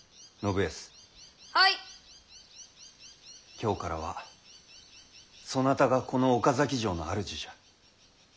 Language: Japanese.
今日からはそなたがこの岡崎城の主じゃ。